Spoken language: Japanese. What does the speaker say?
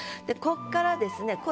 でこっからですね